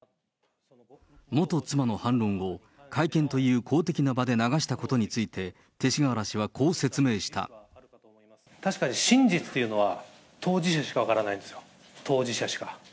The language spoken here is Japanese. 元妻の反論後、会見という公的な場で流したことについて、確かに真実というのは当事者しか分からないんですよ、当事者しか。